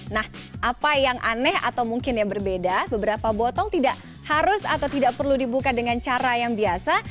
nah apa yang aneh atau mungkin yang berbeda beberapa botol tidak harus atau tidak perlu dibuka dengan cara yang biasa